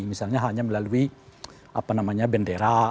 misalnya hanya melalui bendera